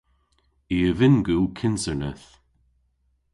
I a vynn gul kynserneth.